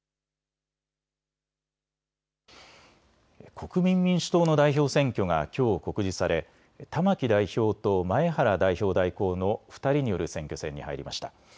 国民民主党の代表選挙がきょう告示され、玉木代表と前原代表代行の２人による選挙戦に入りました。